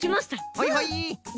はいはい。